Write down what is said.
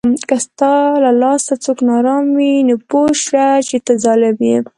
که ستا له لاسه څوک ناارام وي، نو پوه سه چې ته ظالم یې